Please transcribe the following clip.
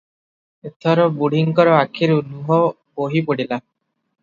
ଏଥର ବୁଢ଼ୀଙ୍କର ଆଖିରୁ ଲୁହ ବୋହି ପଡ଼ିଲା ।